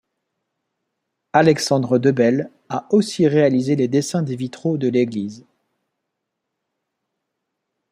Alexandre Debelle a aussi réalisé les dessins des vitraux de l'église.